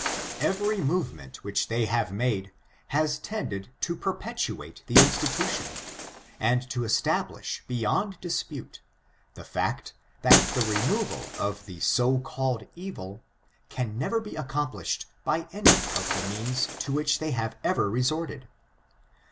* Every movement which they have made has tended to perpetuate the institution, and to estaUishi beyond dispute, the fact, that the removal of the so called evil, can never be accomplished by any of the means to which thej/ have ever resorted.